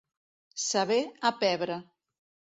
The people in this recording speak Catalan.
Saber a pebre.